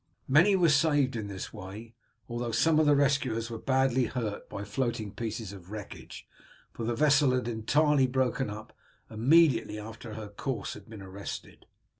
Many were saved in this way, although some of the rescuers were badly hurt by floating pieces of wreckage, for the vessel had entirely broken up immediately after her course had been arrested.